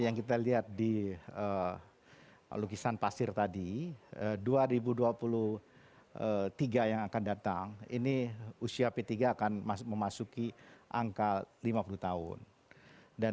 jangan lupa untuk berikan duit kepada tuhan